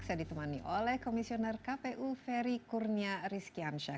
saya ditemani oleh komisioner kpu ferry kurnia rizki hansyah